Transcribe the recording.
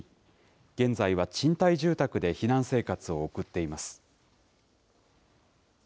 現在は賃貸住宅で避難生活を送っています。